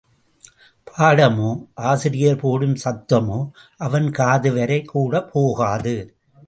பாடமோ, ஆசிரியர் போடும் சத்தமோ அவன் காதுவரை கூட போகாது.